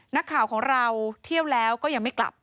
นักข่าวของเราเที่ยวแล้วก็ยังไม่กลับ